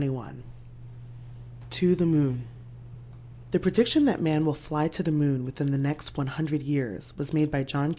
(The End) TO THE MOON The prediction that man will fly to the moon within the next 100 years was made by John Q.